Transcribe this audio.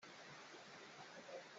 Bia a kan chim khanh dih zungzal.